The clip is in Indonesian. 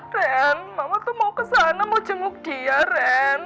ren mama tuh mau kesana mau jemuk dia ren